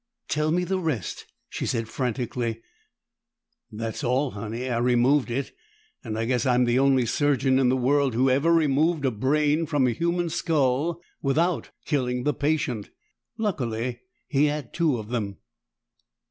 "Tell me the rest!" she said frantically. "That's all, Honey. I removed it, and I guess I'm the only surgeon in the world who ever removed a brain from a human skull without killing the patient! Luckily, he had two of them!"